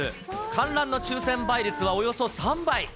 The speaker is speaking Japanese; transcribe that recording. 観覧の抽せん倍率はおよそ３倍。